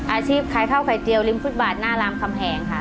อาชีพขายข้าวไข่เตียริมฟุตบาทหน้ารามคำแหงค่ะ